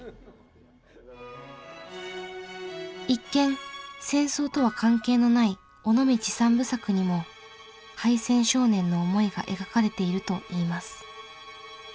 一見戦争とは関係のない「尾道三部作」にも敗戦少年の思いが描かれているといいます。